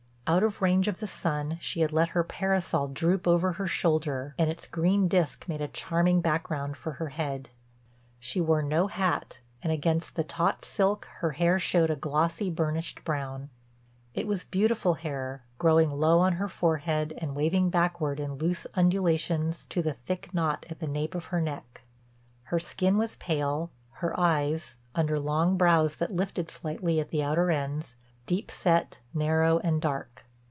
Out of range of the sun she had let her parasol droop over her shoulder and its green disk made a charming background for her head. She wore no hat and against the taut silk her hair showed a glossy, burnished brown. It was beautiful hair, growing low on her forehead and waving backward in loose undulations to the thick knot at the nape of her neck. Her skin was pale, her eyes, under long brows that lifted slightly at the outer ends, deep set, narrow and dark.